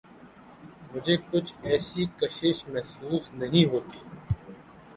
مجھے کچھ ایسی کشش محسوس نہیں ہوتی۔